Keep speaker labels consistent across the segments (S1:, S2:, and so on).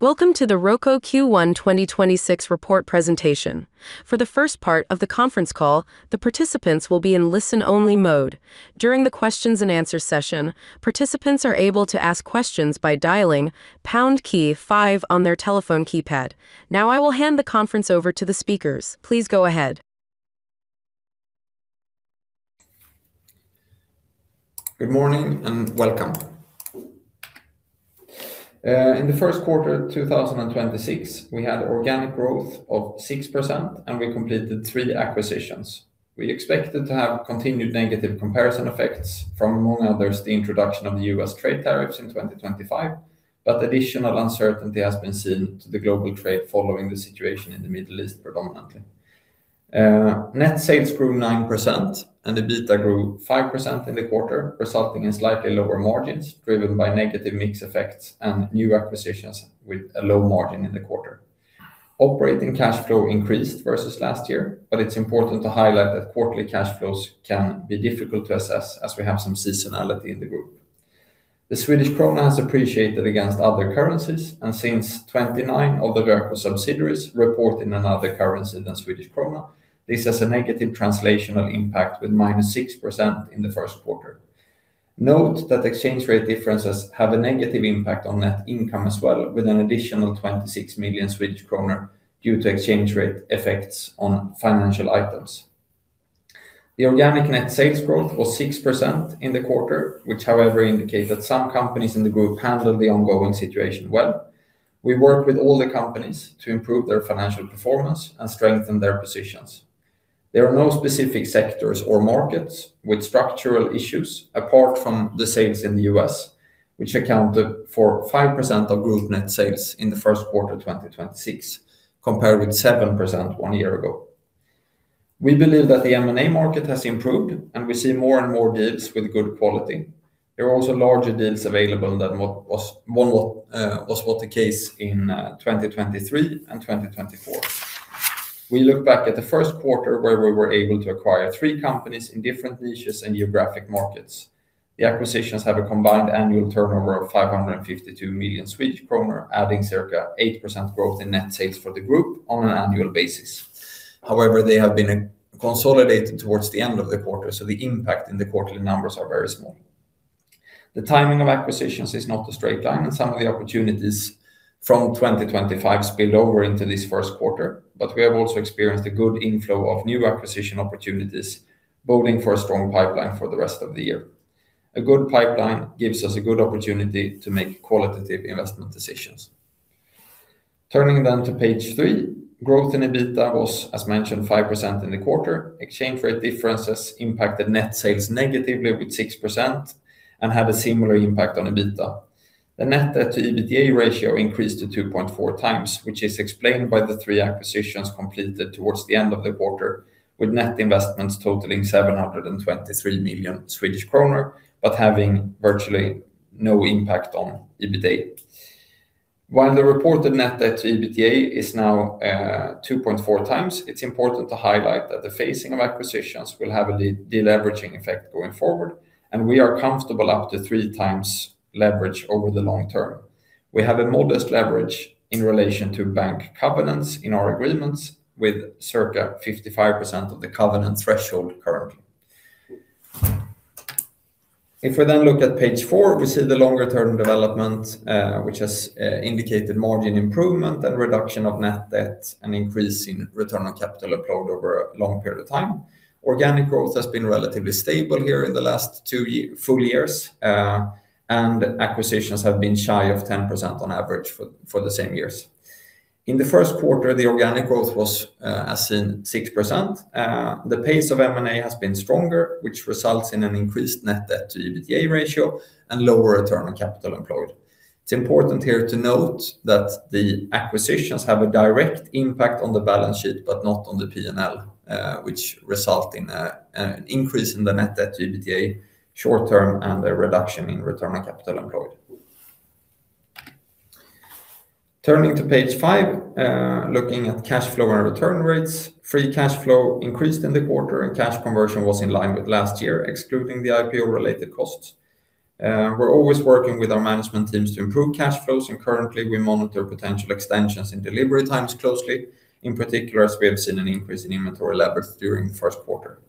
S1: Welcome to the Röko Q1 2026 report presentation. For the first part of the conference call, the participants will be in listen-only mode. During the questions and answers session, participants are able to ask questions by dialing pound key five on their telephone keypad. Now I will hand the conference over to the speakers. Please go ahead.
S2: Good morning and welcome. In the first quarter of 2026, we had organic growth of 6% and we completed three acquisitions. We expected to have continued negative comparison effects from, among others, the introduction of the U.S. trade tariffs in 2025, but additional uncertainty has been added to the global trade following the situation in the Middle East predominantly. Net sales grew 9% and the EBITDA grew 5% in the quarter, resulting in slightly lower margins, driven by negative mix effects and new acquisitions with a low margin in the quarter. Operating cash flow increased versus last year, but it's important to highlight that quarterly cash flows can be difficult to assess as we have some seasonality in the group. The Swedish krona has appreciated against other currencies, and since 29 of the vertical subsidiaries report in another currency than Swedish krona, this has a negative translational impact with -6% in the first quarter. Note that exchange rate differences have a negative impact on net income as well, with an additional 26 million Swedish kronor due to exchange rate effects on financial items. The organic net sales growth was 6% in the quarter, which however indicated some companies in the group handled the ongoing situation well. We work with all the companies to improve their financial performance and strengthen their positions. There are no specific sectors or markets with structural issues apart from the sales in the U.S., which accounted for 5% of group net sales in the first quarter of 2026 compared with 7% one year ago. We believe that the M&A market has improved, and we see more and more deals with good quality. There are also larger deals available than what was the case in 2023 and 2024. We look back at the first quarter where we were able to acquire three companies in different niches and geographic markets. The acquisitions have a combined annual turnover of 552 million Swedish kronor, adding circa 8% growth in net sales for the group on an annual basis. However, they have been consolidated towards the end of the quarter, so the impact in the quarterly numbers are very small. The timing of acquisitions is not a straight line, and some of the opportunities from 2025 spilled over into this first quarter. We have also experienced a good inflow of new acquisition opportunities, boding for a strong pipeline for the rest of the year. A good pipeline gives us a good opportunity to make qualitative investment decisions. Turning to page three, growth in EBITDA was, as mentioned, 5% in the quarter. Exchange rate differences impacted net sales negatively with 6% and had a similar impact on EBITDA. The net debt to EBITDA ratio increased to 2.4x, which is explained by the three acquisitions completed towards the end of the quarter, with net investments totaling 723 million Swedish kronor, but having virtually no impact on EBITDA. While the reported net debt to EBITDA is now 2.4x, it's important to highlight that the phasing of acquisitions will have a de-leveraging effect going forward, and we are comfortable up to 3x leverage over the long term. We have a modest leverage in relation to bank covenants in our agreements with circa 55% of the covenant threshold currently. If we then look at page four, we see the longer-term development, which has indicated margin improvement and reduction of net debt, an increase in return on capital employed over a long period of time. Organic growth has been relatively stable here in the last two—full years, and acquisitions have been shy of 10% on average for the same years. In the first quarter, the organic growth was, as in 6%. The pace of M&A has been stronger, which results in an increased net debt to EBITDA ratio and lower return on capital employed. It's important here to note that the acquisitions have a direct impact on the balance sheet, but not on the P&L, which result in an increase in the net debt to EBITDA short term and a reduction in return on capital employed. Turning to page five, looking at cash flow and return rates. Free cash flow increased in the quarter and cash conversion was in line with last year, excluding the IPO-related costs. We're always working with our management teams to improve cash flows, and currently, we monitor potential extensions and delivery times closely, in particular as we have seen an increase in inventory levels during the first quarter.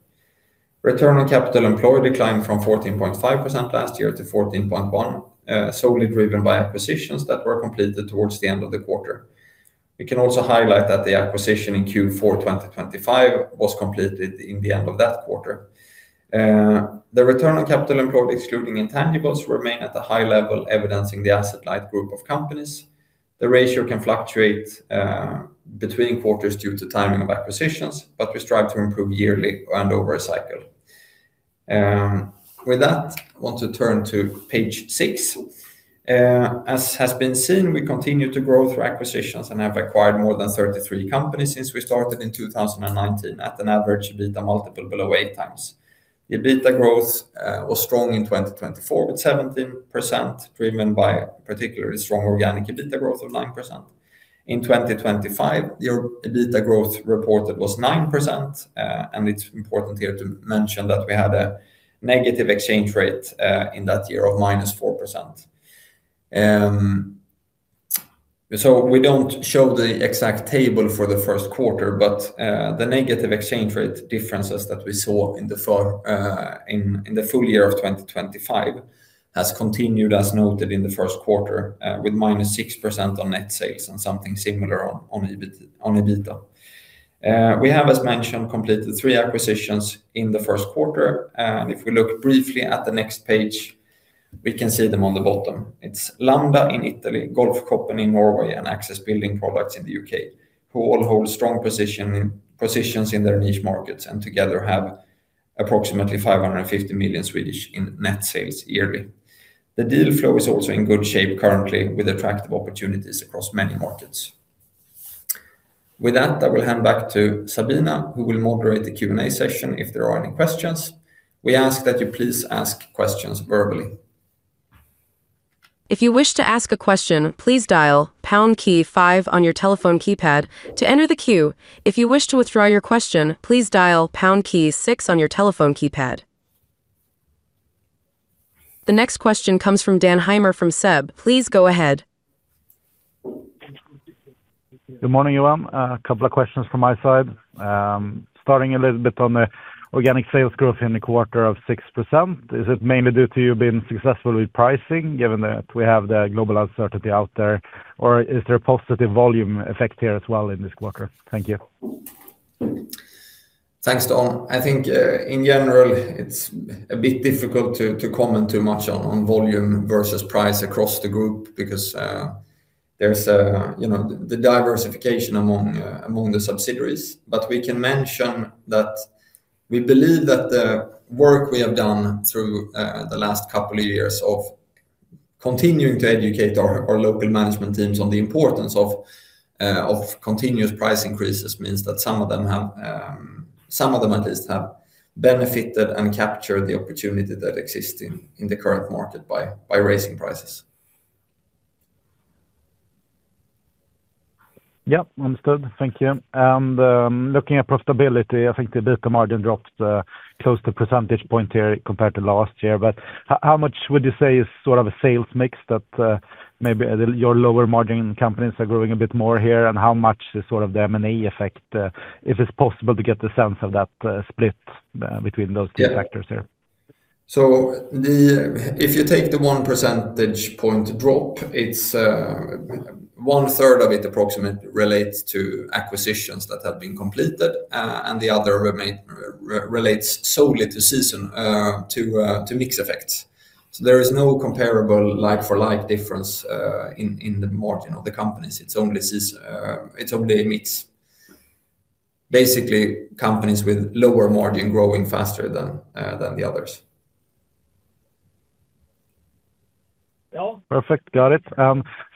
S2: Return on capital employed declined from 14.5% last year to 14.1%, solely driven by acquisitions that were completed towards the end of the quarter. We can also highlight that the acquisition in Q4 2025 was completed in the end of that quarter. The return on capital employed excluding intangibles remained at a high level, evidencing the asset light group of companies. The ratio can fluctuate between quarters due to timing of acquisitions, but we strive to improve yearly and over a cycle. With that, I want to turn to page six. As has been seen, we continue to grow through acquisitions and have acquired more than 33 companies since we started in 2019 at an average EBITDA multiple below 8x. EBITDA growth was strong in 2024, with 17% driven by a particularly strong organic EBITDA growth of 9%. In 2025, the EBITDA growth reported was 9%, and it's important here to mention that we had a negative exchange rate in that year of -4%. We don't show the exact table for the first quarter, but the negative exchange rate differences that we saw in the full year of 2025 has continued, as noted in the first quarter, with -6% on net sales and something similar on EBITDA. We have, as mentioned, completed three acquisitions in the first quarter. If we look briefly at the next page, we can see them on the bottom. It's Lambda in Italy, Golfshopen in Norway, and Access Building Products in the U.K., who all hold strong positions in their niche markets and together have approximately 550 million in net sales yearly. The deal flow is also in good shape currently with attractive opportunities across many markets. With that, I will hand back to Sabina, who will moderate the Q&A session, if there are any questions. We ask that you please ask questions verbally.
S1: The next question comes from Dan Heimer from SEB. Please go ahead.
S3: Good morning, Johan. A couple of questions from my side. Starting a little bit on the organic sales growth in the quarter of 6%. Is it mainly due to you being successful with pricing, given that we have the global uncertainty out there, or is there a positive volume effect here as well in this quarter? Thank you.
S2: Thanks, Dan. I think, in general, it's a bit difficult to comment too much on volume versus price across the group because there's the diversification among the subsidiaries. We can mention that we believe that the work we have done through the last couple of years of continuing to educate our local management teams on the importance of continuous price increases means that some of them, at least, have benefited and captured the opportunity that exists in the current market by raising prices.
S3: Yeah. Understood. Thank you. Looking at profitability, I think the EBITDA margin dropped close to a percentage point here compared to last year. How much would you say is a sales mix that maybe your lower margin companies are growing a bit more here, and how much is the M&A effect, if it's possible to get the sense of that split between those two factors here?
S2: If you take the 1 percentage point drop, 1/3 of it, approximately, relates to acquisitions that have been completed, and the other relates solely to seasonal, to mix effects. There is no comparable like for like difference in the margin of the companies. It's only a mix. Basically, companies with lower margin growing faster than the others.
S3: Perfect. Got it.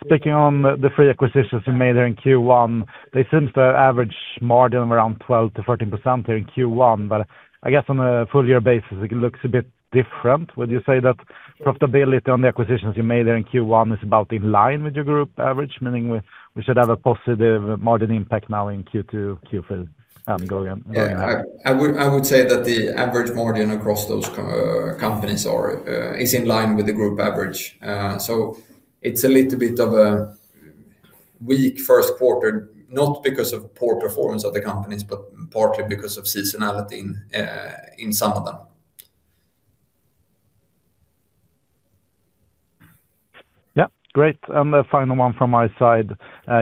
S3: Sticking on the three acquisitions you made there in Q1. They seem to average margin around 12%-14% there in Q1. I guess on a full year basis, it looks a bit different. Would you say that profitability on the acquisitions you made there in Q1 is about in line with your group average? Meaning we should have a positive margin impact now in Q2 going on?
S2: Yeah. I would say that the average margin across those companies is in line with the group average. It's a little bit of a weak first quarter, not because of poor performance of the companies, but partly because of seasonality in some of them.
S3: Yeah. Great. The final one from my side.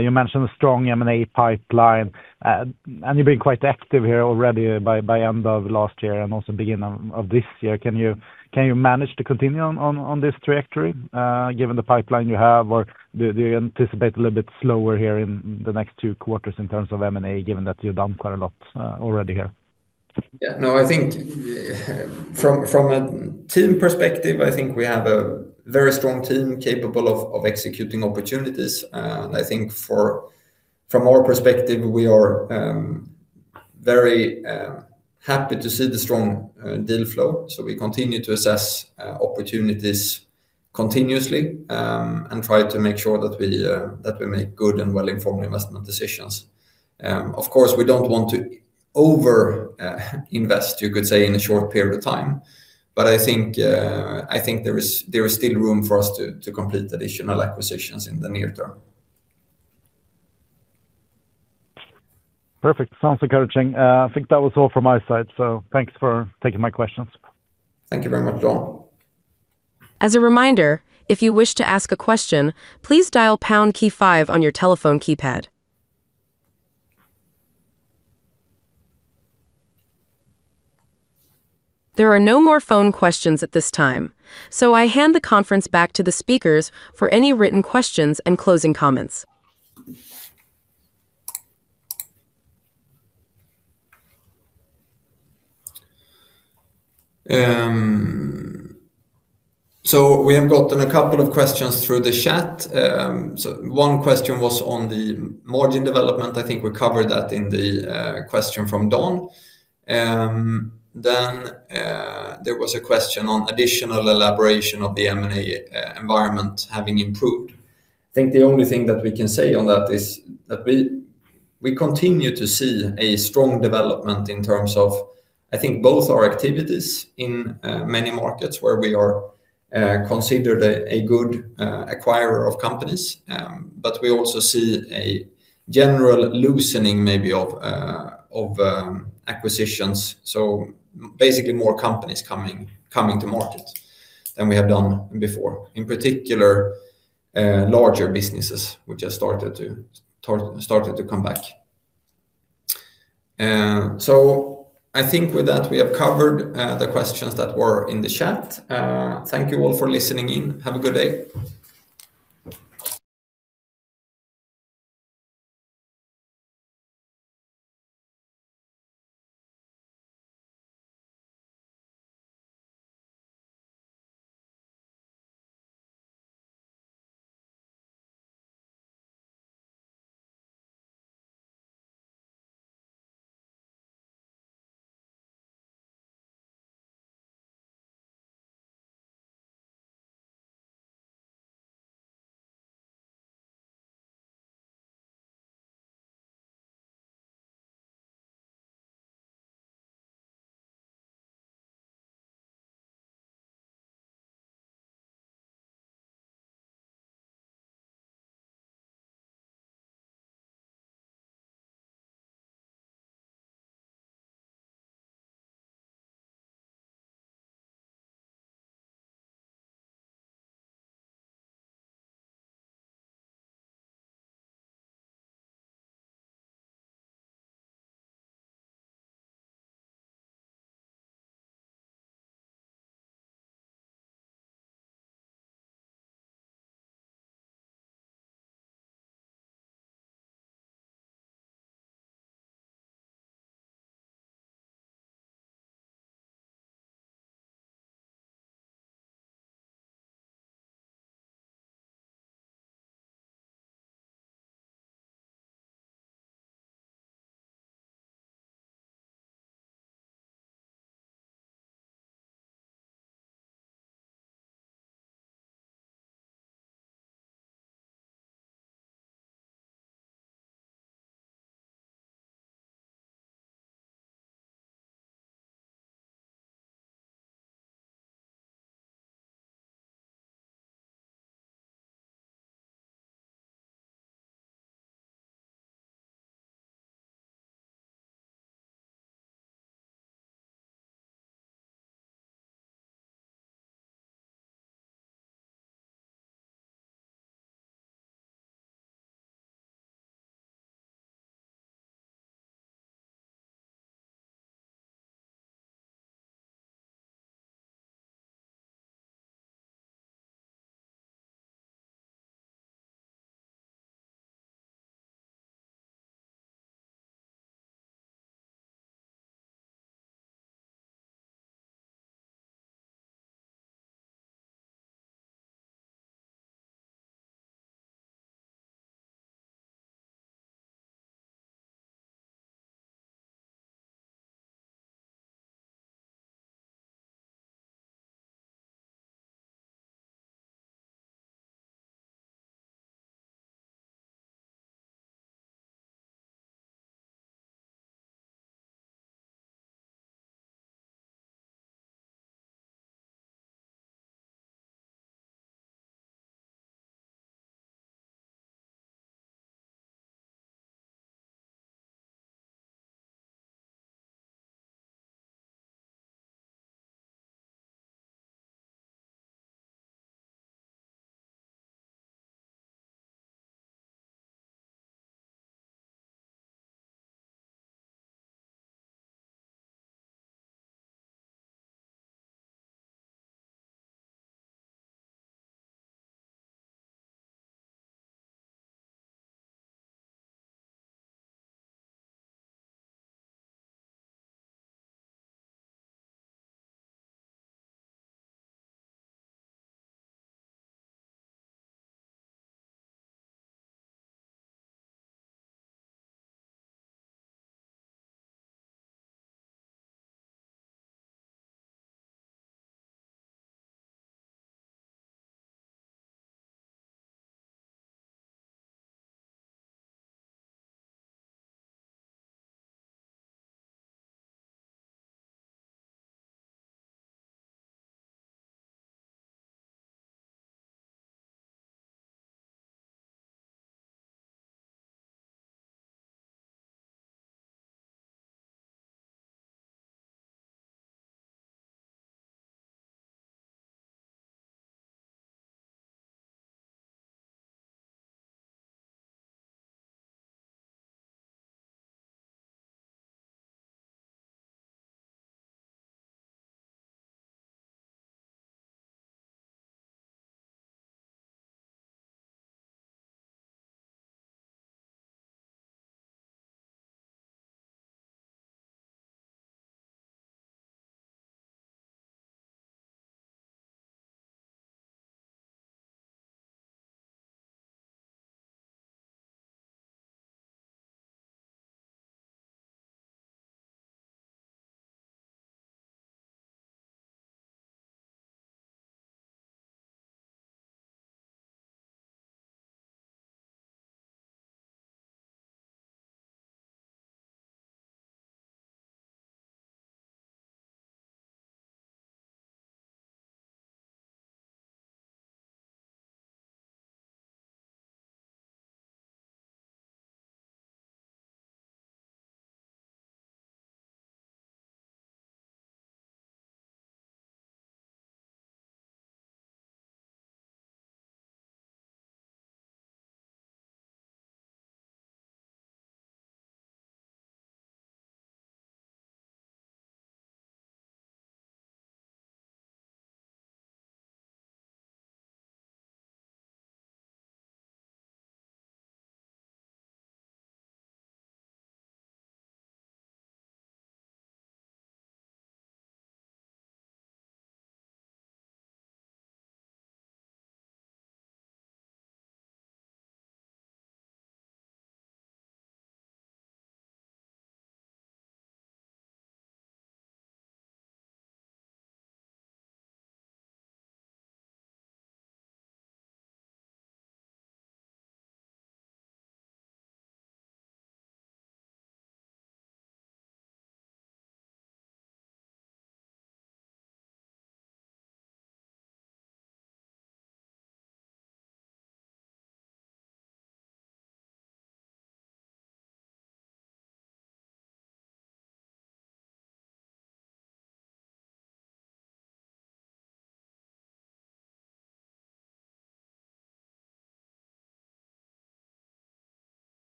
S3: You mentioned a strong M&A pipeline, and you've been quite active here already by end of last year and also beginning of this year. Can you manage to continue on this trajectory given the pipeline you have? Or do you anticipate a little bit slower here in the next two quarters in terms of M&A, given that you've done quite a lot already here?
S2: Yeah. From a team perspective, I think we have a very strong team capable of executing opportunities. I think from our perspective, we are very happy to see the strong deal flow. We continue to assess opportunities continuously and try to make sure that we make good and well-informed investment decisions. Of course, we don't want to over-invest, you could say, in a short period of time, but I think there is still room for us to complete additional acquisitions in the near term.
S3: Perfect. Sounds encouraging. I think that was all from my side, so thanks for taking my questions.
S2: Thank you very much, Dan.
S1: As a reminder, if you wish to ask a question, please dial pound key five on your telephone keypad. There are no more phone questions at this time. I hand the conference back to the speakers for any written questions and closing comments.
S2: We have gotten a couple of questions through the chat. One question was on the margin development. I think we covered that in the question from Dan. There was a question on additional elaboration of the M&A environment having improved. I think the only thing that we can say on that is that we continue to see a strong development in terms of, I think both our activities in many markets where we are considered a good acquirer of companies, but we also see a general loosening maybe of acquisitions. Basically more companies coming to market than we have done before. In particular, larger businesses, which have started to come back. I think with that we have covered the questions that were in the chat. Thank you all for listening in. Have a good day.